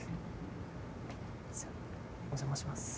じゃお邪魔します。